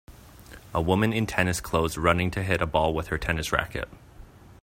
A woman in tennis clothes running to hit a ball with her tennis racket.